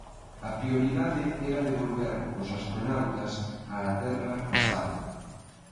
A prioridade era devolver os astronautas á Terra a salvo.